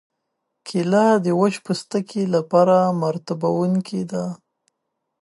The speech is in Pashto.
کېله د وچ پوستکي لپاره مرطوبوونکې ده.